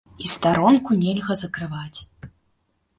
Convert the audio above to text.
І старонку нельга закрываць.